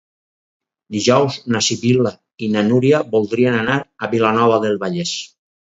Dijous na Sibil·la i na Núria voldrien anar a Vilanova del Vallès.